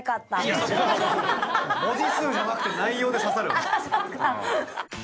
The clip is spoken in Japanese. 文字数じゃなくて内容で刺されよ！